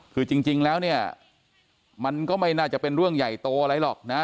คือจริงแล้วเนี่ยมันก็ไม่น่าจะเป็นเรื่องใหญ่โตอะไรหรอกนะ